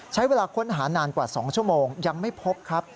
ใช้เวลาค้นหานานกว่า๒ชั่วโมงยังไม่พบครับ